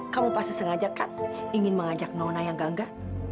kamu pasti sengajakan ingin mengajak nona yang gangga